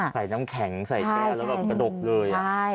ใส่น้ำแข็งใส่แกะแล้วก็กระดกเลย